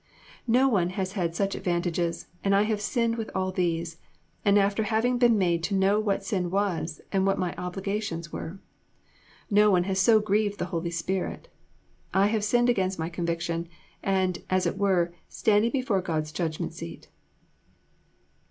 No one has had such advantages, and I have sinned with all these, and after having been made to know what sin was, and what my obligations were. No one has so grieved the Holy Spirit. I have sinned against my conviction, and, as it were, standing before God's judgment seat."